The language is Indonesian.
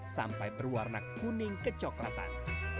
sampai berwarna kuning kecoklatan